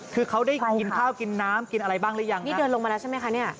คือเขาได้กินข้าวกินน้ำกินอะไรบ้างหรือยังนี่เดินลงมาแล้วใช่ไหมคะเนี่ย